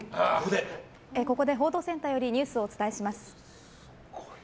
ここで報道センターよりニュースをお伝えします。